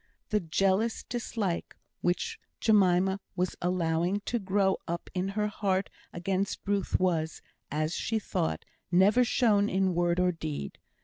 The jealous dislike which Jemima was allowing to grow up in her heart against Ruth was, as she thought, never shown in word or deed.